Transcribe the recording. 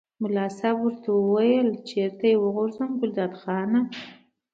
ملا صاحب ورته وویل چېرته یې وغورځوم ګلداد خانه.